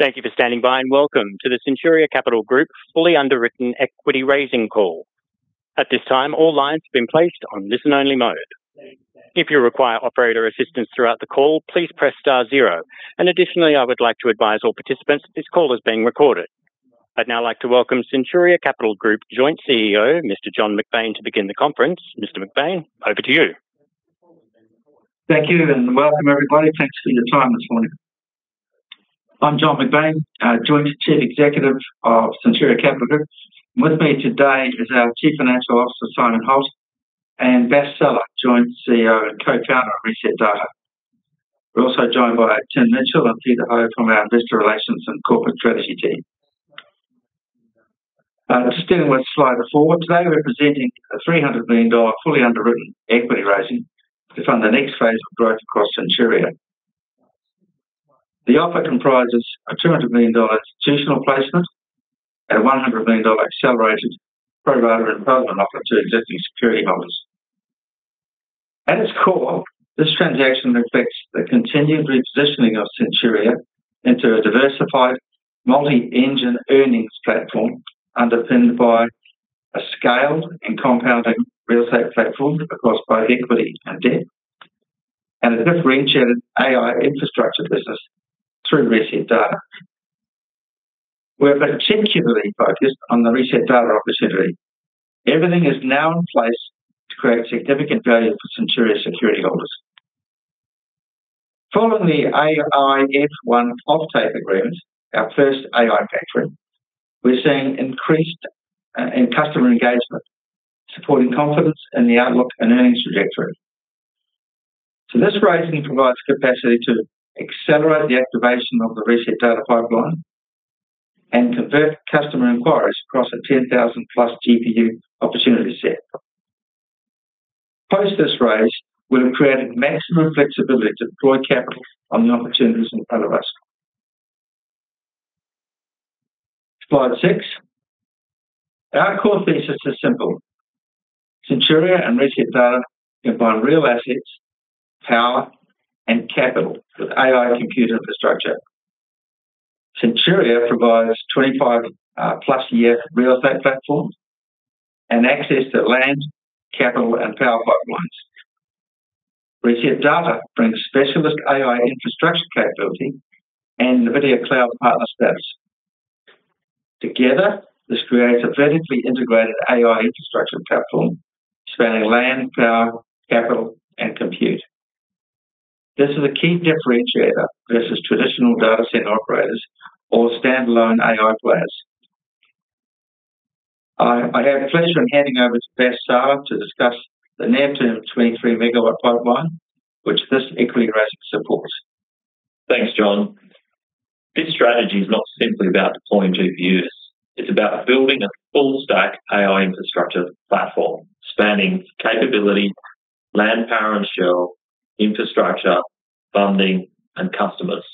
Thank you for standing by, welcome to the Centuria Capital Group fully underwritten equity raising call. At this time, all lines have been placed on listen-only mode. If you require operator assistance throughout the call, please press star zero. Additionally, I would like to advise all participants that this call is being recorded. I'd now like to welcome Centuria Capital Group Joint CEO, Mr. John McBain, to begin the conference. Mr. McBain, over to you. Thank you, welcome, everybody. Thanks for your time this morning. I'm John McBain, joint chief executive of Centuria Capital Group. With me today is our Chief Financial Officer, Simon Holt, and Bass Salah, joint CEO and Co-founder of ResetData. We're also joined by Tim Mitchell and Peter Ho from our Investor Relations and Corporate Strategy team. Just dealing with slide four. Today, we're presenting an 300 million dollar fully underwritten equity raising to fund the next phase of growth across Centuria. The offer comprises an 200 million dollar institutional placement and an 100 million dollar accelerated pro-rata entitlement offer to existing security holders. At its core, this transaction reflects the continued repositioning of Centuria into a diversified multi-engine earnings platform underpinned by a scaled and compounding real estate platform across both equity and debt, and a differentiated AI infrastructure business through ResetData. We're particularly focused on the ResetData opportunity. Everything is now in place to create significant value for Centuria security holders. Following the AI-F1 offtake agreement, our first AI factory, we're seeing increased customer engagement, supporting confidence in the outlook and earnings trajectory. This raising provides capacity to accelerate the activation of the ResetData pipeline and convert customer inquiries across a 10,000+ GPU opportunity set. Post this raise, we'll have created maximum flexibility to deploy capital on the opportunities in front of us. Slide six. Our core thesis is simple. Centuria and ResetData combine real assets, power, and capital with AI compute infrastructure. Centuria provides 25+ year real estate platforms and access to land, capital, and power pipelines. ResetData brings specialist AI infrastructure capability and NVIDIA Cloud Partner status. Together, this creates a vertically integrated AI infrastructure platform spanning land, power, capital, and compute. This is a key differentiator versus traditional data center operators or standalone AI players. I have pleasure in handing over to Bass Salah to discuss the near-term 23 MW pipeline, which this equity raise supports. Thanks, John. This strategy is not simply about deploying GPUs. It is about building a full-stack AI infrastructure platform spanning capability, land, power, and shell, infrastructure, funding, and customers.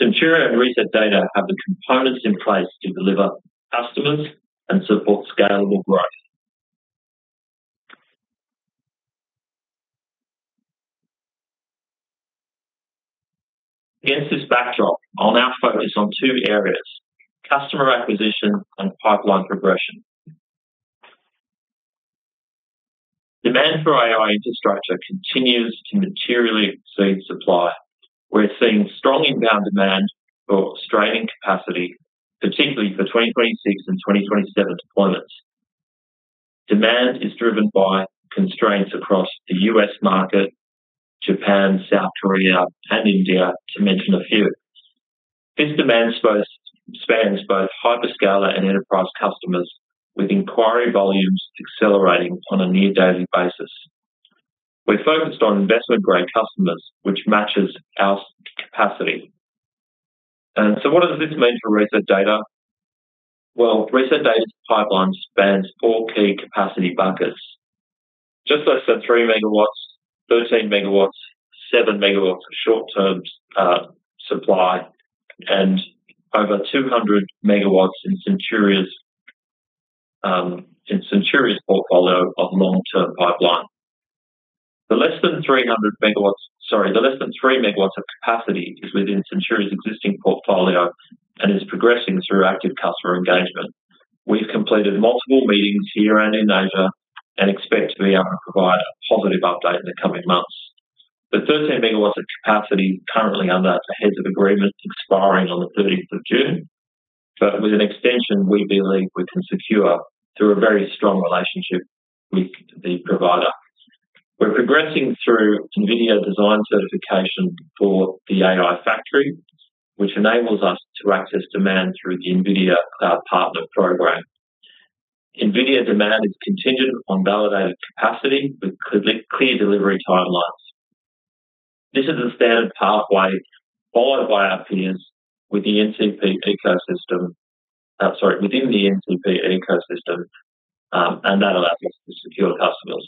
Centuria and ResetData have the components in place to deliver customers and support scalable growth. Against this backdrop, I will now focus on two areas, customer acquisition and pipeline progression. Demand for AI infrastructure continues to materially exceed supply. We are seeing strong inbound demand for straining capacity, particularly for 2026 and 2027 deployments. Demand is driven by constraints across the U.S. market, Japan, South Korea, and India, to mention a few. This demand spans both hyperscaler and enterprise customers, with inquiry volumes accelerating on a near-daily basis. We are focused on investment-grade customers, which matches our capacity. What does this mean for ResetData? ResetData's pipeline spans four key capacity buckets. Just less than 3 MW, 13 MW, 7 MW of short-term supply, and over 200 MW in Centuria's portfolio of long-term pipeline. The less than 300 MW. The less than 3 MW of capacity is within Centuria's existing portfolio and is progressing through active customer engagement. We have completed multiple meetings here and in Asia and expect to be able to provide a positive update in the coming months. The 13 MW of capacity currently under a heads of agreement expiring on the 30th of June, but with an extension, we believe we can secure through a very strong relationship with the provider. We are progressing through NVIDIA design certification for the AI-Factory, which enables us to access demand through the NVIDIA Cloud Partner program. NVIDIA demand is contingent on validated capacity with clear delivery timelines. This is a standard pathway followed by our peers within the NCP ecosystem, and that allows us to secure customers.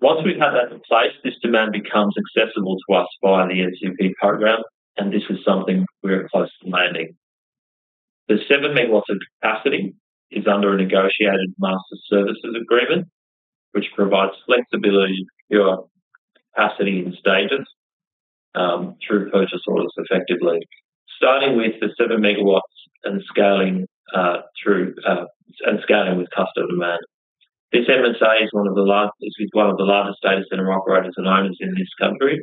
Once we have that in place, this demand becomes accessible to us via the NCP program, and this is something we are close to landing. The 7 MW of capacity is under a negotiated master services agreement, which provides flexibility to secure capacity in data centers through purchase orders effectively. Starting with the 7 MW and scaling with customer demand. This MSA is one of the largest data center operators and owners in this country,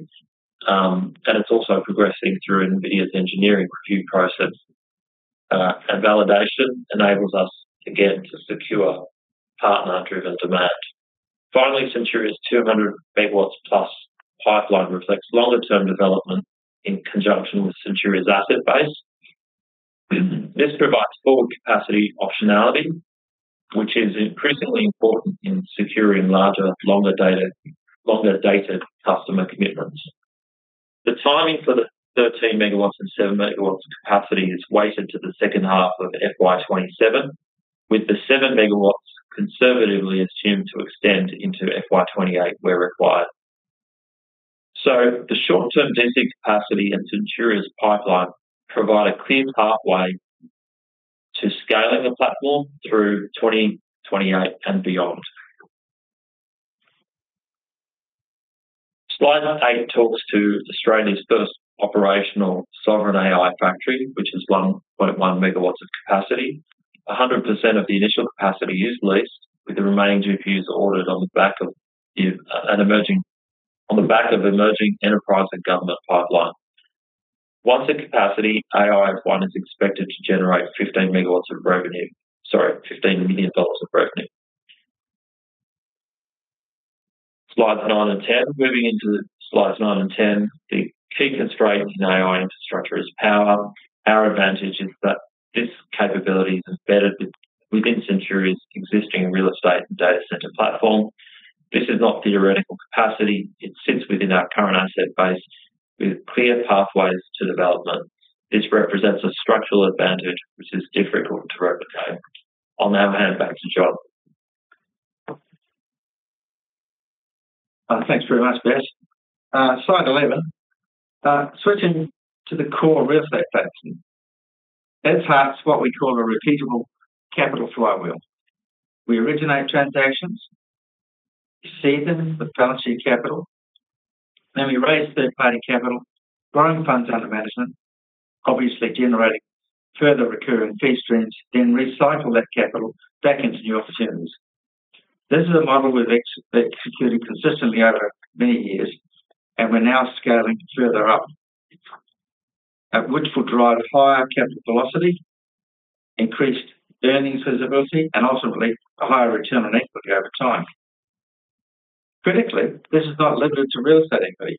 and it is also progressing through NVIDIA's engineering review process, and validation enables us again to secure partner-driven demand. Finally, Centuria's 200 MW+ pipeline reflects longer-term development in conjunction with Centuria's asset base. This provides forward capacity optionality, which is increasingly important in securing larger, longer-dated customer commitments. The timing for the 13 MW and 7 MW of capacity is weighted to the second half of FY 2027, with the 7 MW conservatively assumed to extend into FY 2028 where required. The short-term DC capacity and Centuria's pipeline provide a clear pathway to scaling the platform through 2028 and beyond. Slide eight talks to Australia's first operational sovereign AI-Factory, which is 1.1 MW of capacity. 100% of the initial capacity is leased, with the remaining GPUs ordered on the back of emerging enterprise and government pipeline. Once at capacity, AI1 is expected to generate 15 MW of revenue. 15 million dollars of revenue. Slides nine and 10. Moving into slides nine and 10, the key constraint in AI infrastructure is power. Our advantage is that this capability is embedded within Centuria's existing real estate and data center platform. This is not theoretical capacity. It sits within our current asset base with clear pathways to development. This represents a structural advantage which is difficult to replicate. I'll now hand back to John. Thanks very much, Bass. Slide 11. Switching to the core real estate platform. At its heart is what we call a repeatable capital flywheel. We originate transactions, we seed them with balance sheet capital, then we raise third-party capital, growing funds under management, obviously generating further recurring fee streams, then recycle that capital back into new opportunities. This is a model we've executed consistently over many years, and we're now scaling further up, which will drive higher capital velocity, increased earnings visibility, and ultimately a higher return on equity over time. Critically, this is not limited to real estate equity.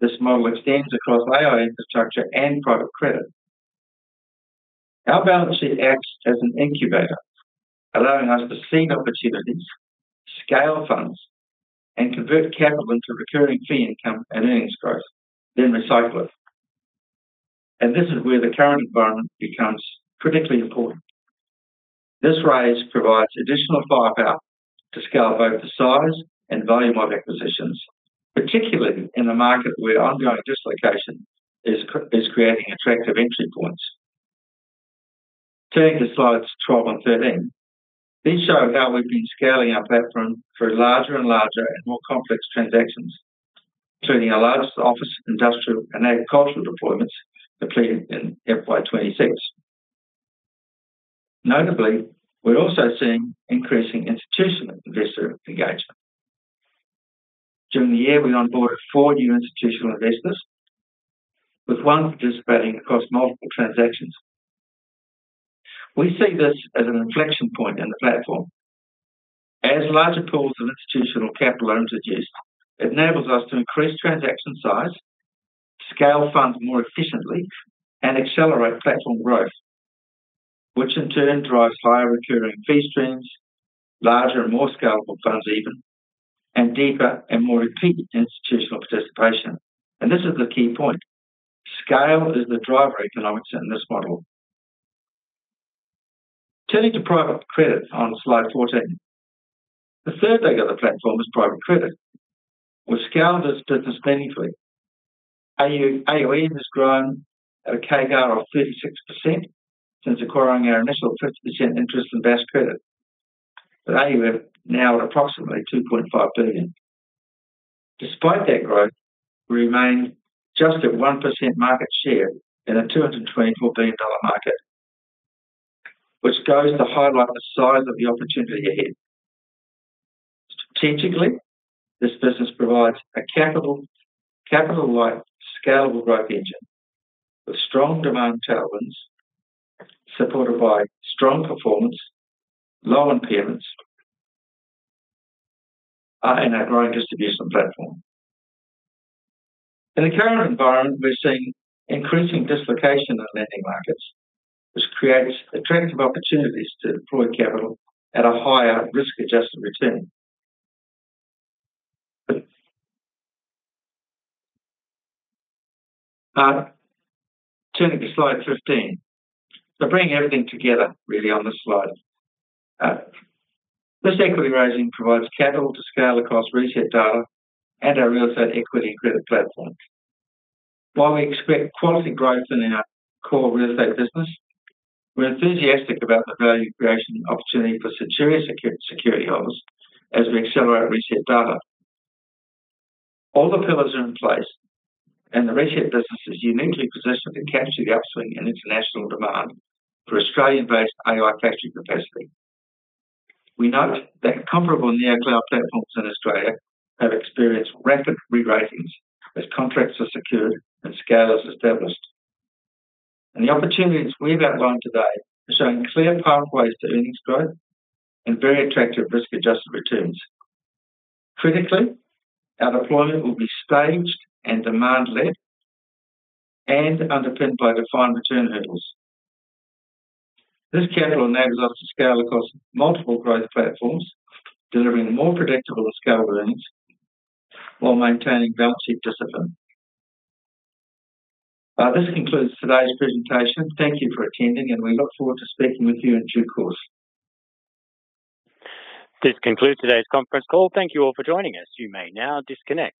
This model extends across AI infrastructure and private credit. Our balance sheet acts as an incubator, allowing us to seek opportunities, scale funds, and convert capital into recurring fee income and earnings growth, then recycle it. This is where the current environment becomes critically important. This raise provides additional firepower to scale both the size and volume of acquisitions, particularly in a market where ongoing dislocation is creating attractive entry points. Turning to slides 12 and 13. These show how we've been scaling our platform through larger and larger and more complex transactions, including our largest office, industrial, and agricultural deployments completed in FY 2026. Notably, we're also seeing increasing institutional investor engagement. During the year, we onboarded four new institutional investors, with one participating across multiple transactions. We see this as an inflection point in the platform. As larger pools of institutional capital are introduced, it enables us to increase transaction size, scale funds more efficiently, and accelerate platform growth, which in turn drives higher recurring fee streams, larger and more scalable funds even, and deeper and more repeat institutional participation. This is the key point. Scale is the driver economics in this model. Turning to private credit on slide 14. The third leg of the platform is private credit. We've scaled this business meaningfully. AUM has grown at a CAGR of 36% since acquiring our initial 50% interest in Bass Credit, with AUM now at approximately 2.5 billion. Despite that growth, we remain just at 1% market share in an 224 billion dollar market, which goes to highlight the size of the opportunity ahead. Strategically, this business provides a capital-light, scalable growth engine with strong demand tailwinds, supported by strong performance, low impairments, and our growing distribution platform. In the current environment, we're seeing increasing dislocation in lending markets, which creates attractive opportunities to deploy capital at a higher risk-adjusted return. Turning to slide 15. Bringing everything together, really, on this slide. This equity raising provides capital to scale across ResetData and our real estate equity credit platform. While we expect quality growth in our core real estate business, we're enthusiastic about the value creation opportunity for Centuria security holders as we accelerate ResetData. All the pillars are in place, and the ResetData business is uniquely positioned to capture the upswing in international demand for Australian-based AI factory capacity. We note that comparable neocloud platforms in Australia have experienced rapid re-ratings as contracts are secured and scale is established. The opportunities we've outlined today are showing clear pathways to earnings growth and very attractive risk-adjusted returns. Critically, our deployment will be staged and demand-led and underpinned by defined return hurdles. This capital enables us to scale across multiple growth platforms, delivering more predictable scale earnings while maintaining balance sheet discipline. This concludes today's presentation. Thank you for attending, and we look forward to speaking with you in due course. This concludes today's conference call. Thank you all for joining us. You may now disconnect.